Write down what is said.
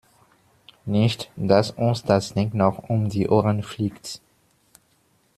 Nicht, dass uns das Ding noch um die Ohren fliegt.